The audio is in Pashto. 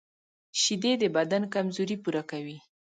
شیدې د بدن کمزوري پوره کوي